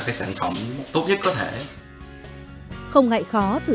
chúc mừng năm mới